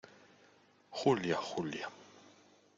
Julia, Julia.